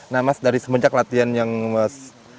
nah mas dari semenjak latihan yang mas